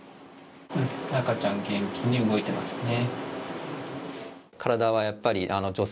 赤ちゃん、元気に動いてますね。